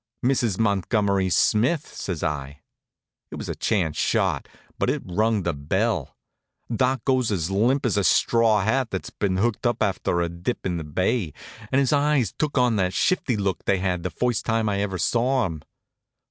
"Mrs. Montgomery Smith," says I. It was a chance shot, but it rung the bell. Doc goes as limp as a straw hat that's been hooked up after a dip in the bay, and his eyes took on that shifty look they had the first time I ever saw him.